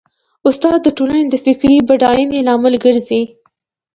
استاد د ټولنې د فکري بډاینې لامل ګرځي.